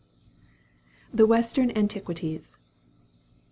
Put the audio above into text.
THE WESTERN ANTIQUITIES.